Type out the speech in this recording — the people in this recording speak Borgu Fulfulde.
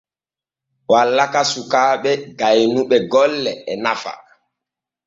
Wallaka suukaaɓe gaynuɓe golle e nafa.